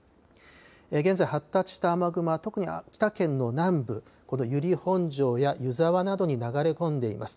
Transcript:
現在、発達した雨雲は特に秋田県の南部、この由利本荘や湯沢などに流れ込んでいます。